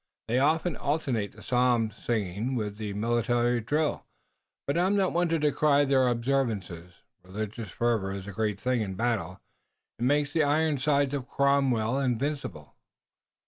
They often alternate the psalm singing with the military drill, but I'm not one to decry their observances. Religious fervor is a great thing in battle. It made the Ironsides of Cromwell invincible."